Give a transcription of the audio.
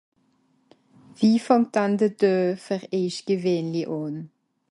Wie fàngt an de Doe fer èich gewenli àn?